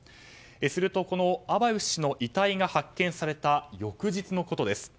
すると、アバエフ氏の遺体が発見された翌日のことです。